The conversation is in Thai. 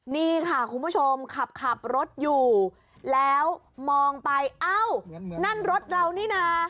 นี่ค่ะคุณผู้ชมขับรถอยู่แล้วมองไปเอ้านั่นรถเรานี่นะ